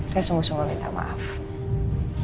saya sungguh sungguh minta maaf